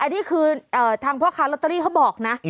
อันนี้คือทางพ่อค้าลอตเตอรี่เขาบอกนะ